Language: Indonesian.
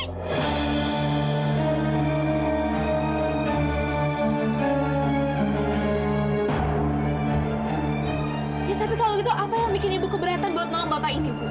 tapi kalau gitu apa yang bikin ibu keberatan buat nolong bapak ini bu